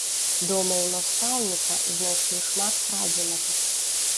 Дома ў настаўніка знайшлі шмат крадзенага.